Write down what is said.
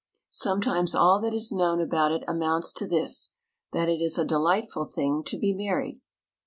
Sometimes all that is known about it amounts to this, that it is a delightful thing to be married.